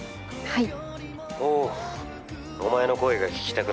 はい。